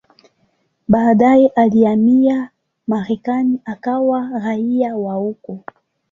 Baadaye alihamia Marekani akawa raia wa huko.